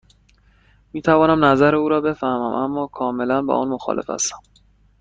می توانم نظر او را بفهمم، اما کاملا با آن مخالف هستم.